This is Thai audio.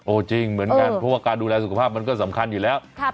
จริงเหมือนกันเพราะว่าการดูแลสุขภาพมันก็สำคัญอยู่แล้ว